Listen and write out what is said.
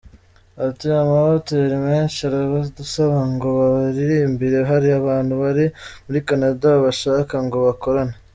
Ati “Amahoteri menshi arabadusaba ngo babaririmbire, hari abantu bari muri Canada babashaka ngo bakorane.